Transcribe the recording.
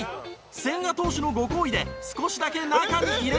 千賀投手のご厚意で少しだけ中に入れてもらえる事に。